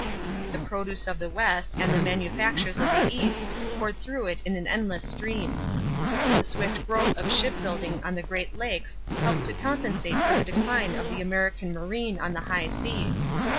The produce of the West and the manufactures of the East poured through it in an endless stream. The swift growth of shipbuilding on the Great Lakes helped to compensate for the decline of the American marine on the high seas.